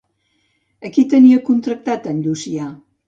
A qui tenia contractat en Llucià?